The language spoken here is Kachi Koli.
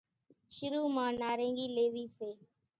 شرو مان نارينگي ليوي سي